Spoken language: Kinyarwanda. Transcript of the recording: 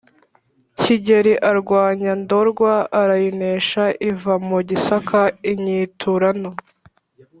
kigeri arwanya ndorwa arayinesha iva mu gisaka, inyiturano